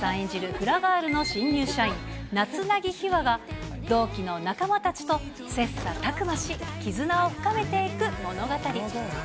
フラガールの新入社員、夏凪日羽が同期の仲間たちと切さたく磨し、絆を深めていく物語。